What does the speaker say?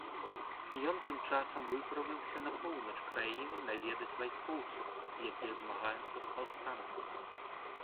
Ён тым часам выправіўся на поўнач краіны наведаць вайскоўцаў, якія змагаюцца з паўстанцамі.